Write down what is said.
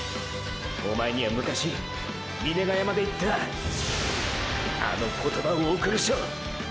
おまえには昔峰ヶ山で言ったあの言葉を贈るショ！！